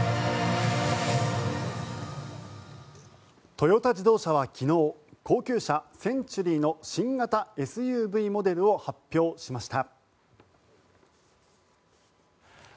トヨタ自動車は昨日高級車センチュリーの新型ＳＵＶモデルを発表しました。